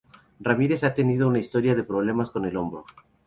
Ramírez ha tenido un historial de problemas con el hombro.